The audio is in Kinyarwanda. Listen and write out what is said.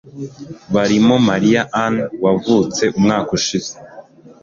barimo Malia Ann wavutse umwaka ushize